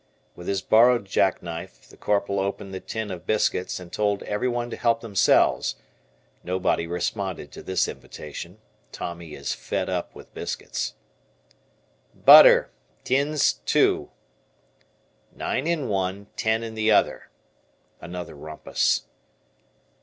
With his borrowed jackknife, the Corporal opened the tin of biscuits, and told everyone to help themselves, nobody responded to this invitation. Tommy is "fed up" with biscuits. "Butter, tins, two." "Nine in one, ten in the other." Another rumpus.